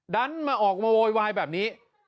ดันมาออกมาโวยวายแบบนี้